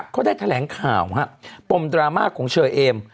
เขาได้แถลงข่าวปมดราม่าของเชอเอม